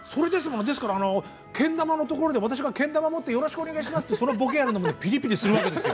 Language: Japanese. けん玉のところで私がけん玉を持ってよろしくお願いしますとボケるのもピリピリするわけですよ。